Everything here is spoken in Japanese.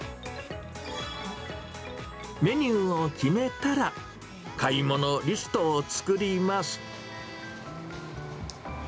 メニューを決めたら、買い物リストを作ります。